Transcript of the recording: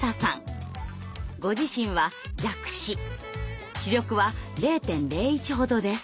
ご自身は弱視視力は０．０１ほどです。